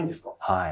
はい。